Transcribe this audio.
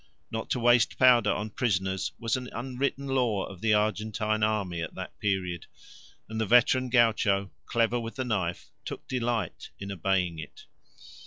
Not to waste powder on prisoners was an unwritten law of the Argentine army at that period, and the veteran gaucho clever with the knife took delight in obeying it.